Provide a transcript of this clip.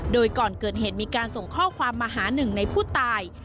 โดยก่อนเกิดเหตุมีการส่งข้อความมาหาหนึ่งในผู้ตาย